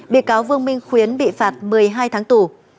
bị cáo vương minh khuyến bị phạt một mươi hai tháng tù